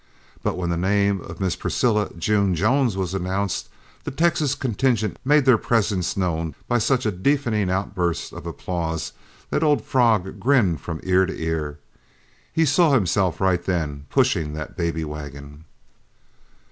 But when the name of Miss Precilla June Jones was announced, the Texas contingent made their presence known by such a deafening outburst of applause that old Frog grinned from ear to ear he saw himself right then pushing that baby wagon.